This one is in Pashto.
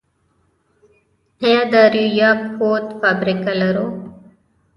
آیا د یوریا کود فابریکه لرو؟